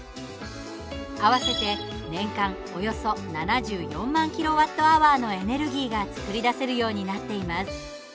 合わせて、年間およそ７４万ｋＷｈのエネルギーが作り出せるようになっています。